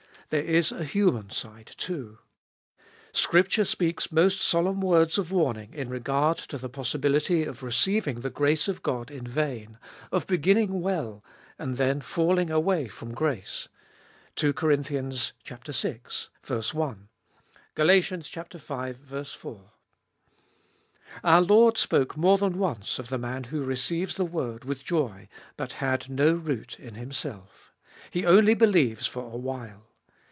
There is a human side too. Scripture speaks most solemn words of warning in regard to the possibility of receiv ing the grace of God in vain, of beginning well, and then falling away from grace (2 Cor. vi. I, Gal. v. 4). Our Lord spoke more than once of the man who receives the word with joy, but had no root in himself: he only believes for a while.